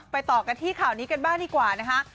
ต่อกันที่ข่าวนี้กันบ้างดีกว่านะคะ